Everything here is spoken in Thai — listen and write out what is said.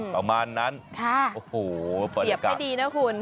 ประมาณนั้นโอ้โหเสียบไม่ดีนะคุณ